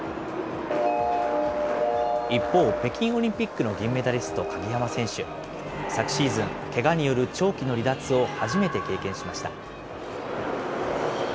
一方、北京オリンピックの銀メダリスト、鍵山選手。昨シーズン、けがによる長期の離脱を初めて経験しました。